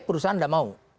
perusahaan nggak mau